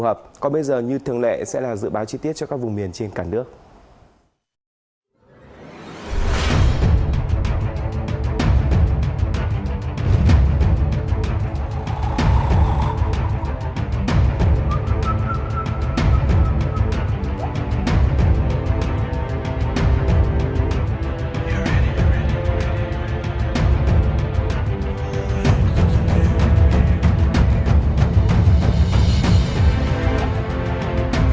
hợp còn bây giờ như thường lệ sẽ là dự báo chi tiết cho các vùng miền trên cả nước ừ ừ